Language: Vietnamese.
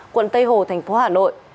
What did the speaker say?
quận tây hồ thành phố hà nội